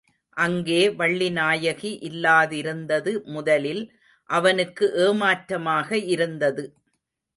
அங்கே வள்ளிநாயகி இல்லாதிருந்தது முதலில் அவனுக்கு ஏமாற்றமாக இருந்தது.